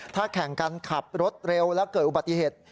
ถ้าแข่งกันขับรถเร็วแล้วเกิดอุบัติเหตุ